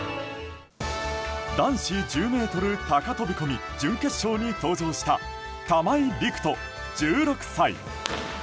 男子１０ｍ高飛込準決勝に登場した玉井陸斗、１６歳。